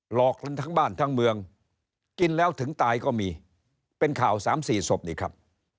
หลอกกันทั้งบ้านทั้งเมืองกินแล้วถึงตายก็มีเป็นข่าว๓๔ศพนี่ครับ